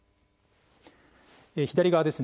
左側ですね